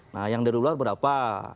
nah yang dari luar berapa